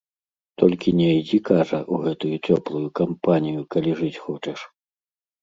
Толькі не ідзі, кажа, у гэтую цёплую кампанію, калі жыць хочаш.